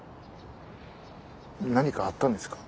何かあったんですか？